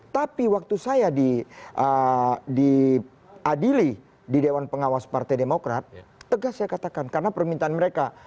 tapi waktu saya diadili di dewan pengawas partai demokrat tegas saya katakan karena permintaan mereka